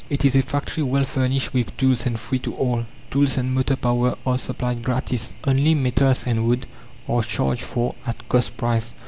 It is a factory well furnished with tools and free to all; tools and motor power are supplied gratis, only metals and wood are charged for at cost price.